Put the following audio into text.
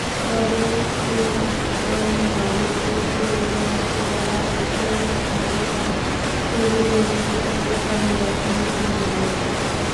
তবে সুরতহাল প্রতিবেদনে বলা হয়েছে, আনিয়ার শরীরের বিভিন্ন স্থানে জখমের চিহ্ন রয়েছে।